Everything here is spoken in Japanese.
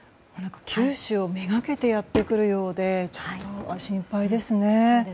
九州をめがけてやってくるようでちょっと心配ですね。